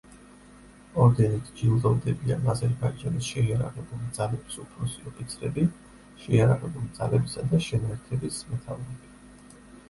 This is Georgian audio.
ორდენით ჯილდოვდებიან აზერბაიჯანის შეიარაღებული ძალების უფროსი ოფიცრები, შეიარაღებული ძალებისა და შენაერთების მეთაურები.